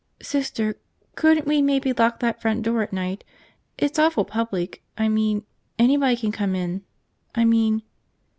"Sister, couldn't we maybe lock that front door at night? It's awful public, I mean, anybody can come in. I mean